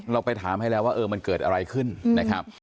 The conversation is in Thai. เราไปถามให้แล้วว่าเออมันเกิดอะไรขึ้นนะครับ